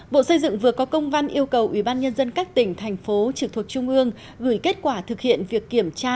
bộ xây dựng vừa có công văn yêu cầu ủy ban nhân dân các tỉnh thành phố trực thuộc trung ương gửi kết quả thực hiện việc kiểm tra